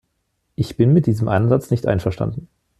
Ich bin mit diesem Ansatz nicht einverstanden.